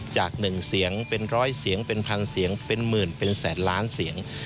จาก๑เสียงเป็นร้อยเสียงเป็นพันเสียงเป็นหมื่นเป็นแสนล้านเสียง